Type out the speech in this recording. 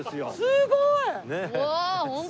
すごーい！